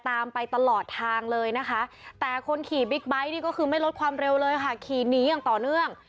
ตามไปตลอดทางเลยนะคะแต่คนขี่บิ๊กไบท์นี่ก็คือไม่ลดความเร็วเลยค่ะขี่หนีอย่างต่อเนื่อง